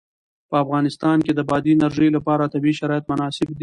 په افغانستان کې د بادي انرژي لپاره طبیعي شرایط مناسب دي.